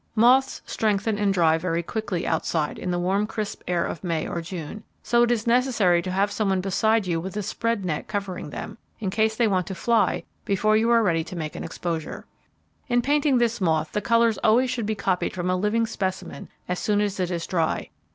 Moths strengthen and dry very quickly outside in the warm crisp air of May or June, so it is necessary to have some one beside you with a spread net covering them, in case they want to fly before you are ready to make an exposure. In painting this moth the colours always should be copied from a living specimen as soon as it is dry.